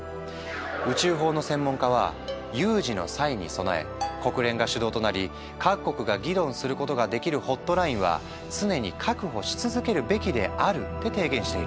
宇宙法の専門家は「有事の際に備え国連が主導となり各国が議論することができるホットラインは常に確保し続けるべきである」って提言しているんだ。